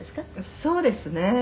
「そうですね。